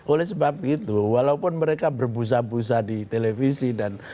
oleh sebab itu walaupun mereka berbusa busa di televisi dan